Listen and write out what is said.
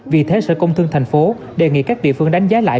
vì thế sở công thương tp hcm đề nghị các địa phương đánh giá lại